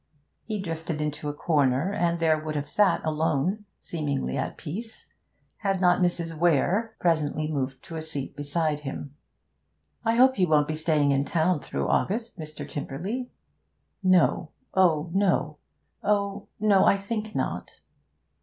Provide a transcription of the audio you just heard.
He drifted into a corner, and there would have sat alone, seemingly at peace, had not Mrs. Weare presently moved to a seat beside him. 'I hope you won't be staying in town through August, Mr. Tymperley?' 'No! Oh no! Oh no, I think not!'